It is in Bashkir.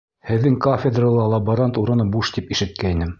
Һеҙҙең кафедрала лаборант урыны буш тип ишеткәйнем.